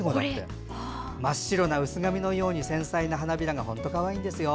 真っ白な薄紙のように繊細な花びらが本当にかわいいんですよ。